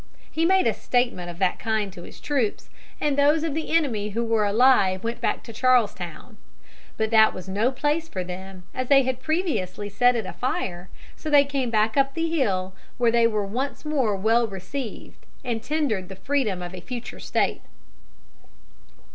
He made a statement of that kind to his troops, and those of the enemy who were alive went back to Charlestown. But that was no place for them, as they had previously set it afire, so they came back up the hill, where they were once more well received and tendered the freedom of a future state.